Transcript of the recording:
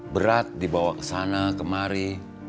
berat dibawa ke sana kemari